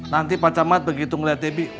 nanti pak camat begitu melihat debbie